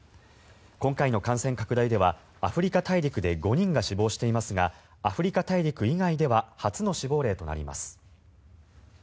今回の感染拡大ではアフリカ大陸で５人が死亡していますがアフリカ大陸以外では初の死亡例となります。